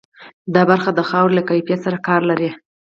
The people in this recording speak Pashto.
دا برخه د خاورې له کیفیت سره کار لري.